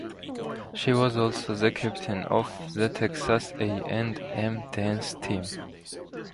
She was also the Captain of the Texas A and M Dance Team.